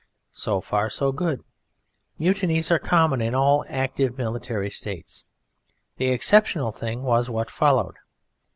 So far so good: mutinies are common in all actively military states the exceptional thing was what followed.